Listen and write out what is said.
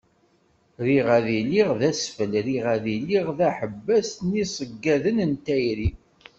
Riɣ ad iliɣ d asfel riɣ ad iliɣ d aḥebbas i yiṣeggaden n tayri.